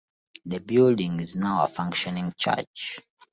The building is now a functioning church.